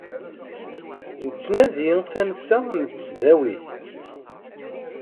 Nettnadi tansa n tesdawit.